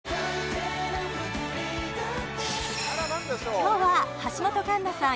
今日は橋本環奈さん